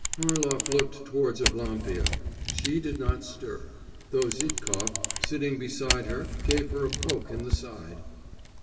Harlov looked towards Evlampia; she did not stir, though Zhitkov, sitting beside her, gave her a poke in the side.